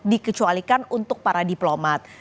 dikecualikan untuk para diplomat